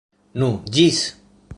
Nu, ĝis!